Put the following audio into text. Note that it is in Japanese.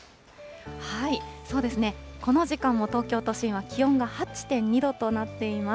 この時間も東京都心は気温が８．２度となっています。